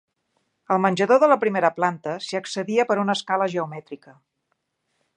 Al menjador de la primera planta s'hi accedia per una escala geomètrica.